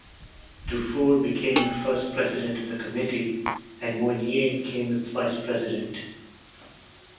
Dufour became the first president of the Committee, and Moynier became its vice-president.